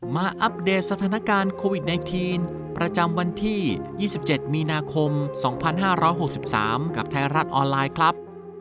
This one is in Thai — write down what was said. อัปเดตสถานการณ์โควิด๑๙ประจำวันที่๒๗มีนาคม๒๕๖๓กับไทยรัฐออนไลน์ครับ